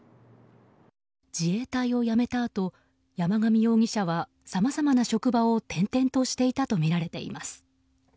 自衛隊を辞めたあと山上容疑者はさまざまな職場を転々としていたとみられています。